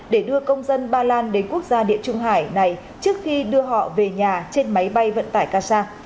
để đưa công dân ba lan đến quốc gia địa trung hải này trước khi đưa họ về nhà trên máy bay vận tải gaza